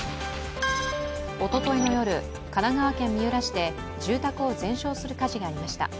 おとといの夜、神奈川県三浦市で住宅を全焼する火事がありました。